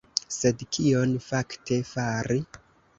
Sed kion fakte fari?